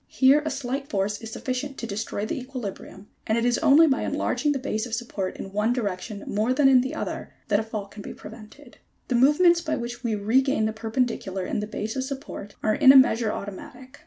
Here a slight force is sufficient to destroy the equilibrium, and it is only by enlarging the base of support in one direction more than in another that a fall can be prevented. The movements by which we regain the perpendicular in the base of support are in a measure automatic.